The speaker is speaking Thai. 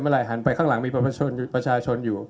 หันไปข้างหลังมีประชาชนอยู่